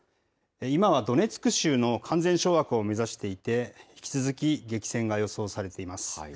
今は、ドネツク州の完全掌握を目指していて、引き続き、激戦が予想されています。